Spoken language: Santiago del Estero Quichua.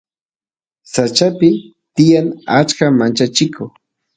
sachapi tiyan achka manchachiko